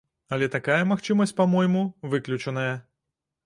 Але такая магчымасць, па-мойму, выключаная.